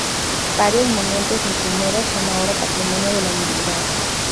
Varios monumentos misioneros son ahora Patrimonio de la Humanidad.